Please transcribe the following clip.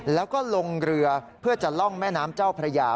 แล้วก็ลงเรือเพื่อจะล่องแม่น้ำเจ้าพระยา